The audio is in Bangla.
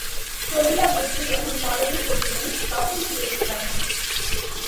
প্রমীলা গুপ্ত যখন কলেজে পড়তেন তখনই গ্রেপ্তার হন।